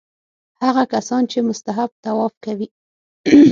هغه کسان چې مستحب طواف کوي.